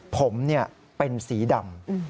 ผมเป็นสีดำ